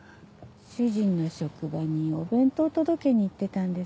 主人の職場にお弁当を届けにいってたんです。